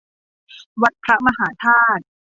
วัดพระมหาธาตุ